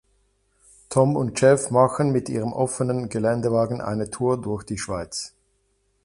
Tom und Jeff machen mit ihrem offenen Geländewagen eine Tour durch die Schweiz.